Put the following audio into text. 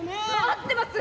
合ってます！